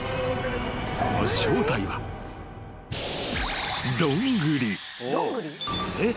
その正体は］えっ！？